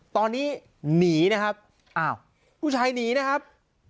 ตอนนี้หนีนะครับอ้าวผู้ชายหนีนะครับ